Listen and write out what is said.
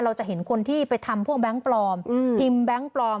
เราจะเห็นคนที่ไปทำพวกแบงค์ปลอมพิมพ์แบงค์ปลอม